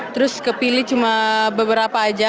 terus kepilih cuma beberapa aja